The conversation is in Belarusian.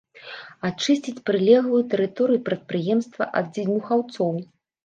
Ачысціць прылеглую тэрыторыю прадпрыемства ад дзьмухаўцоў.